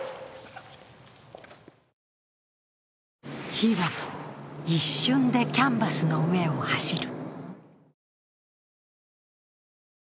火は一瞬でキャンバスの上を走る。